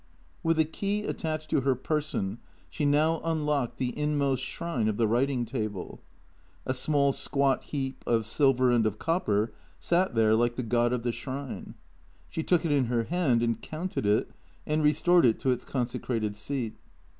With a key attached to her person she now unlocked the inmost shrine of the writing table. A small squat heap of silver and of copper sat there like the god of the shrine. She took it in her hand and counted it and restored it to its consecrated seat.